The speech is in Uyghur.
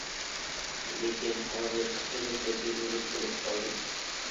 لېكىن ھازىر خېلى تەجرىبىلىك بولۇپ قالدىم.